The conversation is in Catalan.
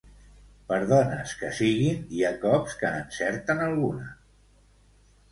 Per dones que siguin hi ha cops que n'encerten alguna.